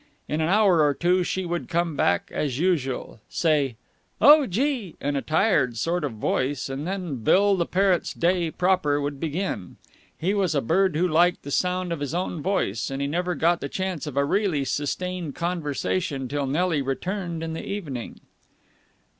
In an hour or two she would come back as usual, say "Oh, Gee!" in a tired sort of voice, and then Bill the parrot's day proper would begin. He was a bird who liked the sound of his own voice, and he never got the chance of a really sustained conversation till Nelly returned in the evening.